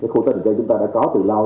khu tái định cư chúng ta đã có từ lâu